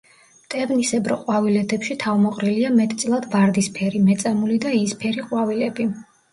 მტევნისებრ ყვავილედებში თავმოყრილია მეტწილად ვარდისფერი, მეწამული და იისფერი ყვავილები.